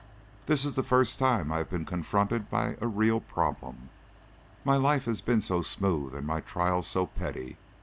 This is the first time I have been confronted by a real problem; my life has been so smooth and my trials so petty.